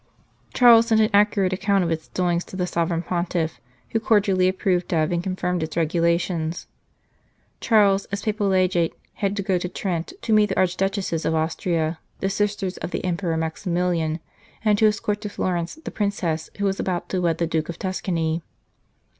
Charles sent an accurate account of its doings to the Sovereign Pontiff, who cordially approved of and confirmed its regulations. Charles, as Papal Legate, had to go to Trent to meet the Archduchesses of Austria, the sisters of the Emperor Maximilian, and to escort to Florence the Princess who was about to wed the Duke of Tuscany.